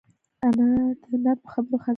انا د نرمو خبرو خزانه ده